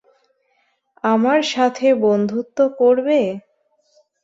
আমার সাথে বন্ধুত্ব করবে?